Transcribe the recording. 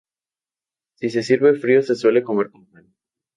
Si se sirve frío se suele comer con pan.